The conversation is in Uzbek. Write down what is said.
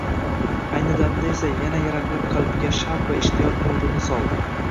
ayni damda esa yana yaraqlab qalbiga shavq va ishtiyoq nurini soldi.